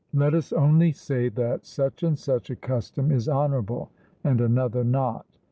Let us only say that such and such a custom is honourable, and another not.